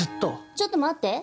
ちょっと待って。